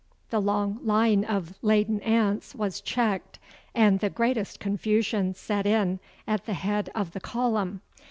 The long line of laden ants was checked, and the greatest confusion set in at the head of the column.